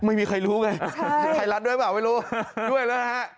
ไม่มีใครรู้ไงใครรัดด้วยหรือเปล่าไม่รู้ด้วยเลยฮะ